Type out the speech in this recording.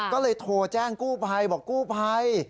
ก็เลยโทรแจ้งกู้ภัยบอกกู้ภัย